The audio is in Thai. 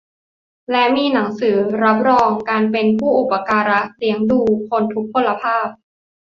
และมีหนังสือรับรองการเป็นผู้อุปการะเลี้ยงดูคนทุพพลภาพ